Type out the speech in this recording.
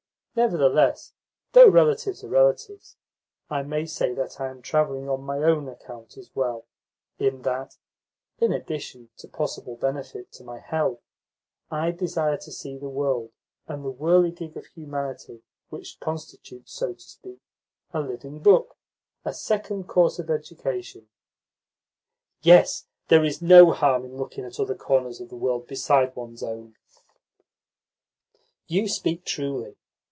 Nevertheless, though relatives are relatives, I may say that I am travelling on my own account as well, in that, in addition to possible benefit to my health, I desire to see the world and the whirligig of humanity, which constitute, so to speak, a living book, a second course of education." "Yes, there is no harm in looking at other corners of the world besides one's own." "You speak truly.